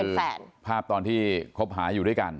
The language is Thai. คือภาพตอนที่คบหาอยู่ด้วยกัน